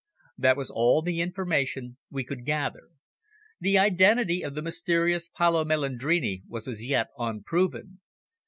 That was all the information we could gather. The identity of the mysterious Paolo Melandrini was, as yet, unproven.